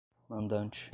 mandante